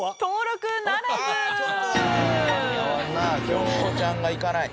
京子ちゃんがいかない。